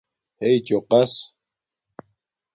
ہݵ چوقس